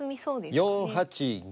４八銀。